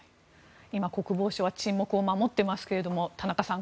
今、国防省は沈黙を守っていますけれども田中さん